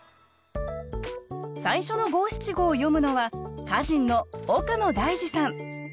最初の５７５を詠むのは歌人の岡野大嗣さん。